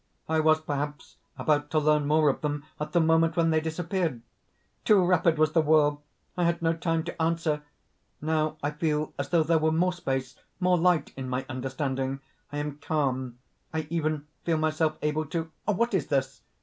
I was perhaps about to learn more of them at the moment when they disappeared. Too rapid was the whirl; I had no time to answer. Now I feel as though there were more space, more light in my understanding. I am calm. I even feel myself able to.... What is this?